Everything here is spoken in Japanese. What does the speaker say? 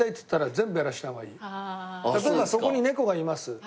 例えばそこに猫がいます。